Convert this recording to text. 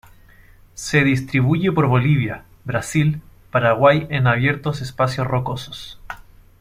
Se distribuye por Bolivia, Brasil, Paraguay en abiertos espacios rocosos.